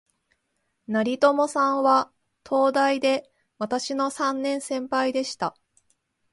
成友さんは、東大で私の三年先輩でした